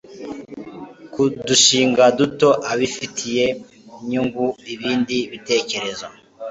ku dushinga duto abafitiye yungutse ibindi bitekerezo